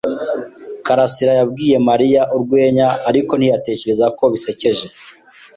Karasirayabwiye Mariya urwenya, ariko ntiyatekereza ko bisekeje.